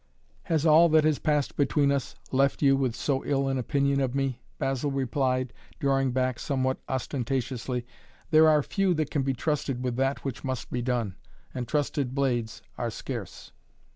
"Has all that has passed between us left you with so ill an opinion of me?" Basil replied, drawing back somewhat ostentatiously. "There are few that can be trusted with that which must be done and trusted blades are scarce."